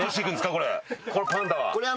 このパンダは。